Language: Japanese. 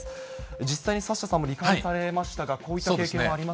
実際にサッシャさんもり患されましたが、こういった経験はありま